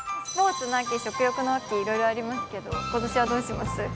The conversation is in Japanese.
−ツの秋、食欲の秋、いろいろありますけど、今年はどうします？